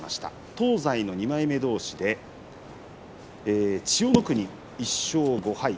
東西の２枚目どうし千代の国１勝５敗